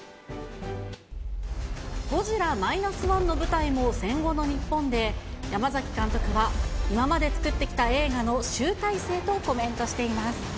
ゴジラマイナスワンの舞台も戦後の日本で、山崎監督は、今まで作ってきた映画の集大成とコメントしています。